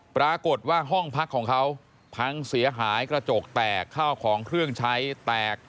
ปรากฏว่าห้องพักของเขาพังเสียหายกระจกแตกข้าวของเครื่องใช้แตก